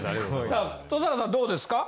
さあ登坂さんどうですか？